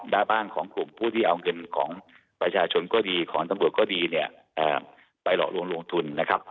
หน้าบ้านของกลุ่มผู้ที่เอาเงินของประชาชนก็ดีของตำรวจก็ดีเนี่ยไปหลอกลวงลงทุนนะครับ